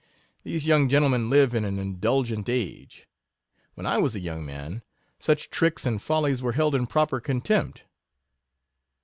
These young gentlemen live in an indulgent age. When I was a young man, such tricks and follies were held in proper contempt.